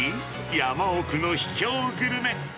山奥の秘境グルメ。